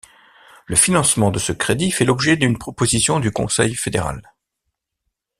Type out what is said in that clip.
Le financement de ce crédit fait l'objet d'une proposition du Conseil fédéral.